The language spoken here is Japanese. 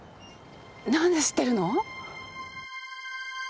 何で知ってるの？